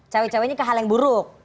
cawe cawe ini ke hal yang buruk